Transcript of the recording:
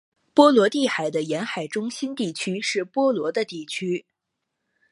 波罗的海的沿岸地区是波罗的地区。